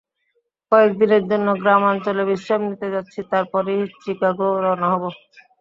কয়েকদিনের জন্য গ্রামাঞ্চলে বিশ্রাম নিতে যাচ্ছি, তারপরই চিকাগো রওনা হব।